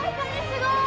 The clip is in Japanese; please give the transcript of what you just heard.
すごい！